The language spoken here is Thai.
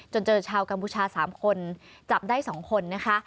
เจอชาวกัมพูชา๓คนจับได้๒คนนะคะ